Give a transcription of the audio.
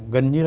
gần như là